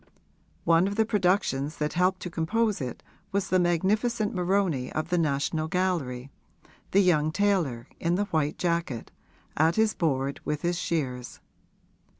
One of the productions that helped to compose it was the magnificent Moroni of the National Gallery the young tailor, in the white jacket, at his board with his shears.